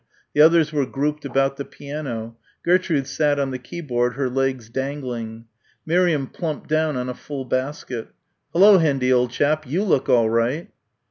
The others were grouped about the piano. Gertrude sat on the keyboard her legs dangling. Miriam plumped down on a full basket. "Hullo, Hendy, old chap, you look all right!"